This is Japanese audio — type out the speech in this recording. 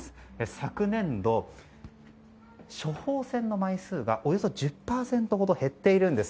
昨年度処方箋の枚数がおよそ１０％ほど減っているんです。